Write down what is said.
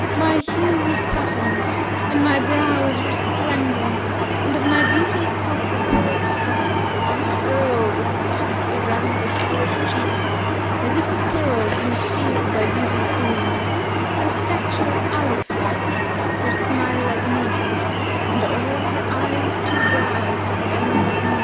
My hue is patent and my brow is resplendent and of my beauty quoth the poet,' 'White girl with softly rounded polished cheeks * As if a pearl concealed by Beauty's boon: Her stature Alif like;[FN#354] her smile like Mнm[FN#355] * And o'er her eyes two brows that bend like Nъn.